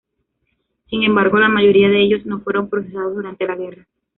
Sin embargo, la mayoría de ellos no fueron procesados durante la guerra.